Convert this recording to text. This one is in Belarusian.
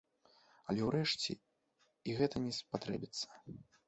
Але ўрэшце і гэта не спатрэбіцца.